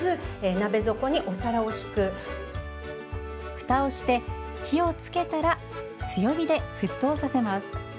ふたをして、火をつけたら強火で沸騰させます。